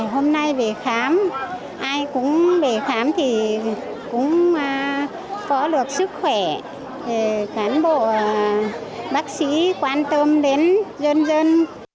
hôm nay về khám ai cũng về khám thì cũng có được sức khỏe cán bộ bác sĩ quan tâm đến dân dân